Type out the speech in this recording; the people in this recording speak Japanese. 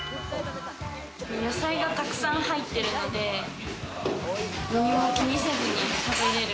野菜が沢山入ってるので何も気にせずに食べれる。